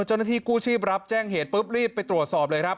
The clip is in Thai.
เจ้าหน้าที่กู้ชีพรับแจ้งเหตุปุ๊บรีบไปตรวจสอบเลยครับ